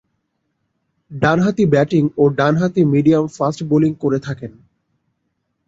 ডানহাতি ব্যাটিং ও ডানহাতি মিডিয়াম ফাস্ট বোলিং করে থাকেন।